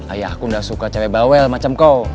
ayahku udah suka cabai bawel macam kau